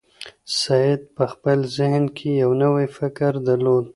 سعید په خپل ذهن کې یو نوی فکر درلود.